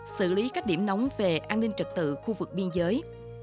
xử lý các điểm nóng về an ninh trật tự khu vực biên giới